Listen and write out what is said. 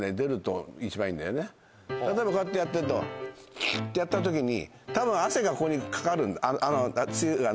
例えばこうやってやってると。ってやった時に多分汗がここにかかるつゆがね。